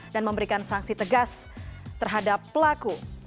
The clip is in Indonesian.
dan memberikan sanksi tegas terhadap pelaku